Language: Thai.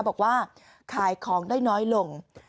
บอกว่าขายของได้น้อยลง